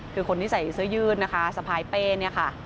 คือคนที่ใส่เสื้อยืดนะคะสะพายเป้เนี่ยค่ะ